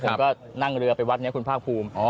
ผมก็นั่งเรือไปวัดนี้คุณภาคภูมิ